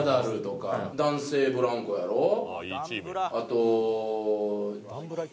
あと。